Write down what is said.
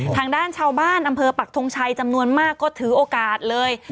ทางด้านชาวบ้านอำเภอปักทงชัยจำนวนมากก็ถือโอกาสเลย